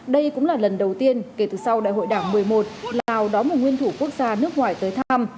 đây cũng là lần đầu tiên kể từ sau đại hội đảng một mươi một lào đón một nguyên thủ quốc gia nước ngoài tới thăm